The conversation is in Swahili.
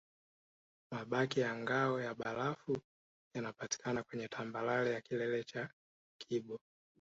Mabaki ya ngao ya barafu yanapatikana kwenye tambarare ya kilele cha kibo